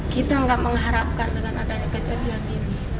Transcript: kita nggak mengharapkan dengan adanya kejadian ini